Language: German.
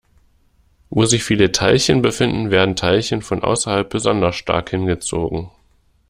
Wo sich viele Teilchen befinden, werden Teilchen von außerhalb besonders stark hingezogen.